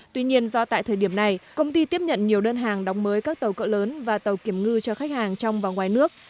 tuy nhiên do tại thời điểm này công ty tiếp nhận nhiều đơn hàng đóng mới các tàu cỡ lớn và tàu kiểm ngư cho khách hàng trong và ngoài nước